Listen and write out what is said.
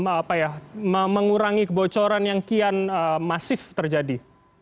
apa ya mengurangi kebocoran yang kian masif terjadi